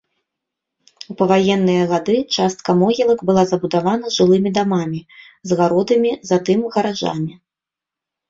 У паваенныя гады частка могілак была забудавана жылымі дамамі з гародамі, затым гаражамі.